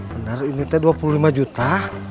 benar unitnya dua puluh lima juta